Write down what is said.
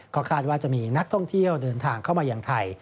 ก็คาดว่าจะมีนักท่องเที่ยวเดินทางเข้ามายังไทย